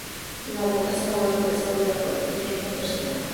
Es abogado egresado de la Pontificia Universidad Católica del Perú.